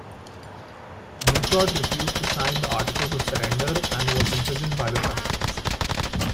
Ducrot refused to sign the articles of surrender, and was imprisoned by the Prussians.